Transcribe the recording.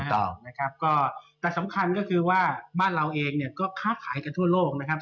แต่สำคัญก็คือว่าบ้านเราเองก็ค้าขายกันทั่วโลกนะครับ